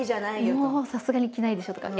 もうさすがに着ないでしょとか。